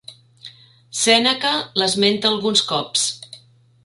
Sèneca l'esmenta alguns cops.